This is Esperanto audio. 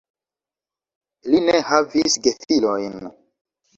Li ne havis gefilojn.